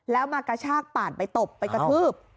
แล้วมากระชากปาดไปตบไปกระทืบ